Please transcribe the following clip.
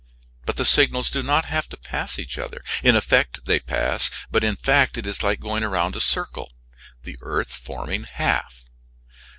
But the signals do not have to pass each other. In effect, they pass; but in fact, it is like going round a circle the earth forming half.